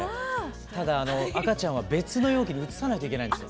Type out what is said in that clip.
ただあの赤ちゃんは別の容器に移さないといけないんですよ。